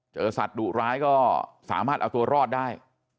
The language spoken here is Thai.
สัตว์ดุร้ายก็สามารถเอาตัวรอดได้